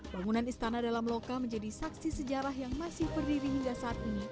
bangunan istana dalam lokal menjadi saksi sejarah yang masih berdiri hingga saat ini